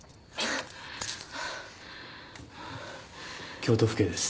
京都府警です。